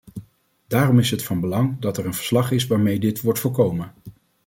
Daarom is het van belang dat er een verslag is waarmee dit wordt voorkomen.